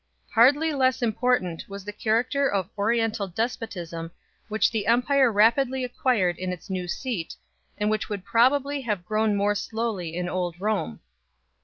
Hardly less important was the character of Oriental despotism which the empire rapidly acquired in its new seat, and which would probably have grown more slowly in old Rome.